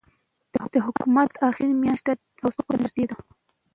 د حکومت آخري میاشت او سقوط ته نږدې